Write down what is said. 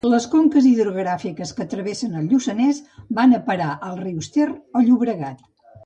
Les conques hidrogràfiques que travessen el Lluçanès van a parar als rius Ter o Llobregat.